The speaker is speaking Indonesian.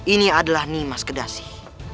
ini adalah nimas kedasi